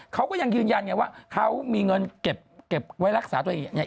เขาก็ยังยืนยันไงว่าเขามีเงินเก็บไว้รักษาตัวเองเนี่ย